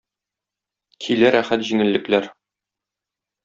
Килә рәхәт җиңеллекләр.